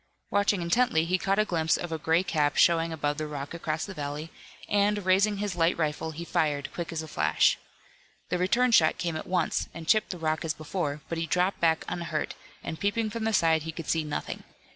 Watching intently he caught a glimpse of a gray cap showing above the rock across the valley, and, raising his light rifle, he fired, quick as a flash. The return shot came at once, and chipped the rock as before, but he dropped back unhurt, and peeping from the side he could see nothing.